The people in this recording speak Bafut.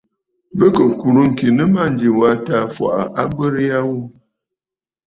Bɨ kɨ kùrə̂ ŋ̀kì a nɨ mânjì was tǎ fɔʼɔ abərə ya ghu.